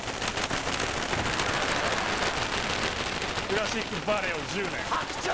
クラシックバレエを１０年白鳥！？